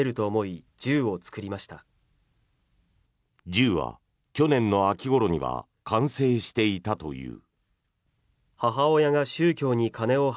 銃は去年の秋ごろには完成していたという。